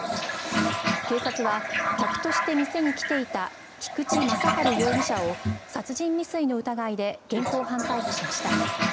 警察は、客として店に来ていた菊地正春容疑者を殺人未遂の疑いで現行犯逮捕しました。